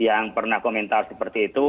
yang pernah komentar seperti itu